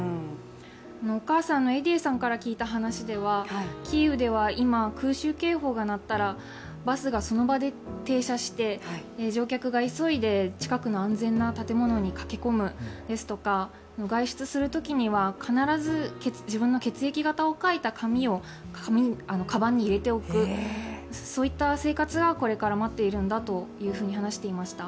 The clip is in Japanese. お母さんのエディエさんから聞いた話ではキーウでは今、空襲警報が鳴ったらバスがその場で停車して、乗客が急いで近くの安全な建物に駆け込むですとか外出するときには必ず自分の血液型を書いた紙をかばんに入れておくそういった生活がこれから待っているんだと話していました。